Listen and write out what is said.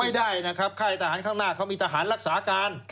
ไม่ได้นะครับค่ายทหารข้างหน้าเขามีทหารรักษาการ